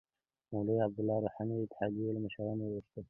مولوی عبدالله روحاني د اتحادیو له مشرانو وغوښتل